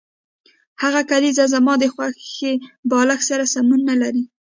هغه کلیزه زما د خوښې بالښت سره سمون نلري